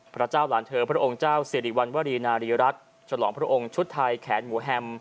พระเจ้าหลานเธอพระองค์เจ้าสิริวัณวรีนารีรัฐฉลองพระองค์ชุดไทยแขนหมูแฮม